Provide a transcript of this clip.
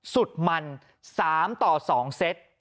สุดมัน๓ต่อ๒เซต